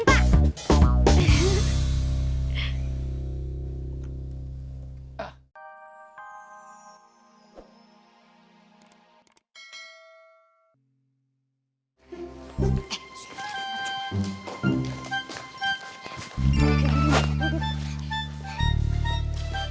pak pak sini kita garukin pak